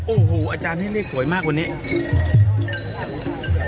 โอ้โหอาจารย์ให้เลขสวยมากวันนี้